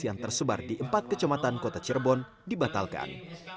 yang tersebar di empat kecamatan kota cirebon dibatalkan